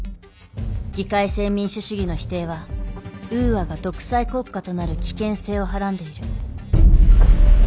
議会制民主主義の否定はウーアが独裁国家となる危険性をはらんでいる。